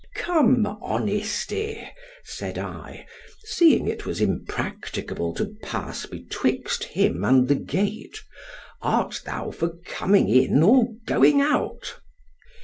Come, Honesty! said I,——seeing it was impracticable to pass betwixt him and the gate——art thou for coming in, or going out?